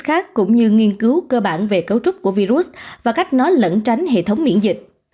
khác cũng như nghiên cứu cơ bản về cấu trúc của virus và cách nó lẫn tránh hệ thống miễn dịch